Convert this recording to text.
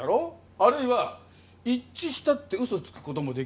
あるいは一致したって嘘つく事もできるわけ？